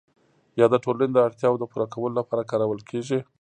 یا د ټولنې د اړتیاوو د پوره کولو لپاره کارول کیږي؟